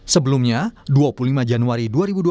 sebelumnya dua puluh lima januari dua ribu dua puluh